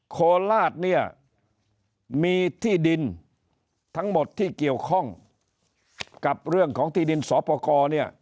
โคลาศมีที่ดินทั้งหมดที่เกี่ยวข้องกับเรื่องของที่ดินสอปกร